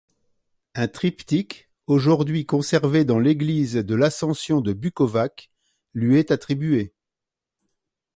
Un triptyque, aujourd'hui conservé dans l'église de la l'Ascension de Bukovac, lui est attribué.